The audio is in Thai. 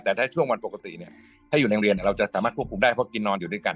แต่ถ้าช่วงวันปกติเนี่ยถ้าอยู่ในโรงเรียนเราจะสามารถควบคุมได้เพราะกินนอนอยู่ด้วยกัน